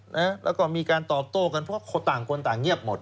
แล้วก็มีการตอบโต้กันเพราะต่างคนต่างเงียบหมด